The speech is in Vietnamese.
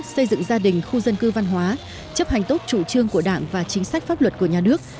xây dựng gia đình khu dân cư văn hóa chấp hành tốt chủ trương của đảng và chính sách pháp luật của nhà nước